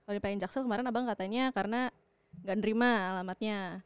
kalau di pn jaksel kemarin abang katanya karena gak nerima alamatnya